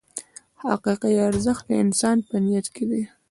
حقیقي ارزښت د انسان په نیت کې دی.